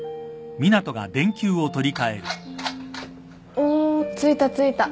おついたついた。